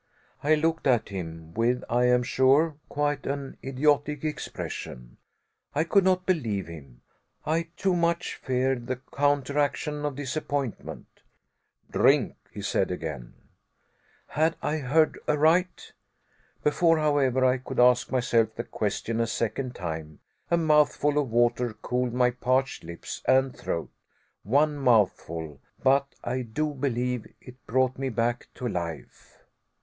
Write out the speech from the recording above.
I looked at him, with, I am sure, quite an idiotic expression. I could not believe him. I too much feared the counteraction of disappointment. "Drink," he said again. Had I heard aright? Before, however, I could ask myself the question a second time, a mouthful of water cooled my parched lips and throat one mouthful, but I do believe it brought me back to life.